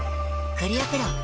クリアプロだＣ。